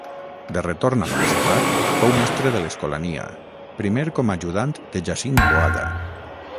De retorn a Montserrat, fou mestre de l'escolania, primer com a ajudant de Jacint Boada.